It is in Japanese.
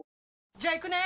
じゃあ行くね！